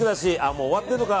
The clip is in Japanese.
もう終わってるのか